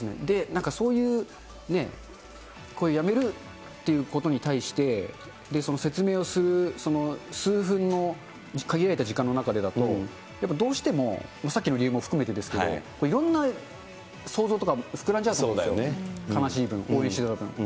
だからこういうやめるっていうことに対して、説明をする数分の限られた時間の中でだと、やっぱりどうしても、さっきの理由も含めてですけど、いろんな想像とか膨らんじゃうと思うんですよ、悲しい分、応援してた分。